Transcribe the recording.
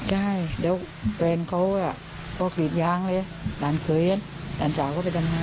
ใช่เด้วแฟนเขาก็กี่ยางเลยตาลใหญ่ต่างไปต่างเจาก็ไปทำงาน